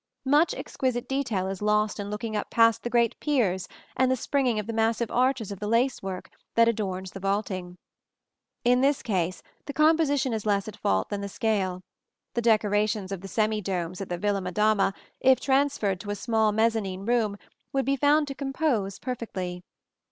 Much exquisite detail is lost in looking up past the great piers and the springing of the massive arches to the lace work that adorns the vaulting. In this case the composition is less at fault than the scale: the decorations of the semi domes at the Villa Madama, if transferred to a small mezzanin room, would be found to "compose" perfectly.